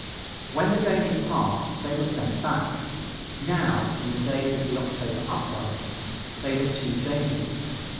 When the danger passed they were sent back. Now, in the days of the October uprising, they were too dangerous.